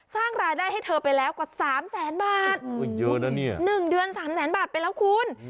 สร้างรายได้ให้เธอไปแล้วกว่า๓แสนบาทเยอะนะเนี่ย๑เดือน๓แสนบาทไปแล้วคุณ